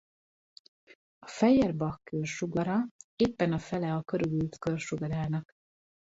A Feuerbach-kör sugara éppen a fele a körülírt kör sugarának.